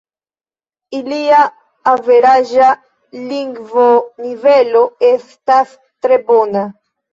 Ilia averaĝa lingvonivelo estas tre bona.